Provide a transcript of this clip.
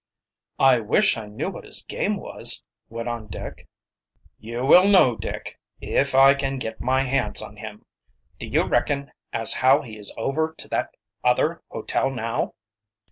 "I wish I knew what his game was," went on Dick. "You will know Dick if I can get my hands on him. Do you reckon as how he is over to that other hotel now?"